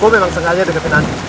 gue memang sengaja deketin andi